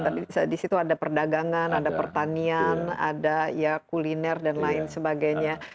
tadi disitu ada perdagangan ada pertanian ada ya kuliner dan lain sebagainya